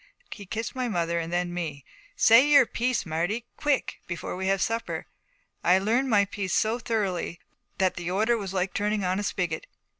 He kissed my mother and then me. 'Say your piece, Marty quick! Before we have supper.' I had learned my piece so thoroughly that the order was like turning on a spigot.